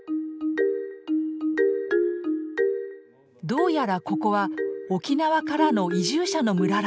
どうやらここは沖縄からの移住者の村らしい。